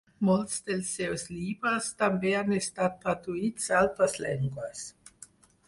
Molts dels seus llibres també han estat traduïts a altres llengües.